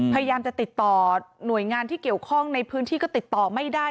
พยายามจะติดต่อหน่วยงานที่เกี่ยวข้องในพื้นที่ก็ติดต่อไม่ได้